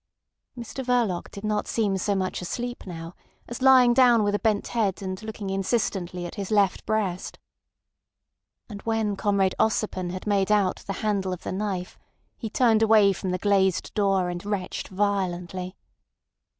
Mr Verloc did not seem so much asleep now as lying down with a bent head and looking insistently at his left breast. And when Comrade Ossipon had made out the handle of the knife he turned away from the glazed door, and retched violently.